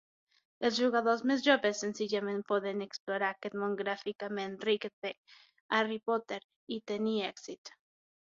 Els jugadors més joves senzillament poden explorar aquest món gràficament ric de "Harry Potter" i tenir èxit.